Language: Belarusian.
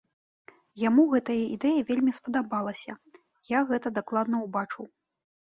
Яму гэтая ідэя вельмі спадабалася, я гэта дакладна ўбачыў!